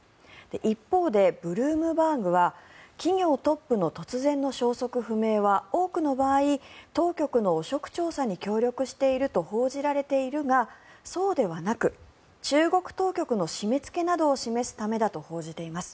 一方でブルームバーグは企業トップの突然の消息不明は多くの場合、当局の汚職調査に協力していると報じられているがそうではなく中国当局の締めつけなどを示すためだと報じています。